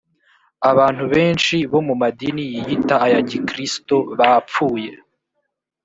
abantu benshi bo mu madini yiyita aya gikristo bapfuye